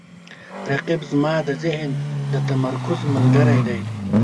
رقیب زما د ذهن د تمرکز ملګری دی